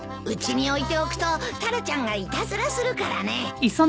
うちに置いておくとタラちゃんがいたずらするからね。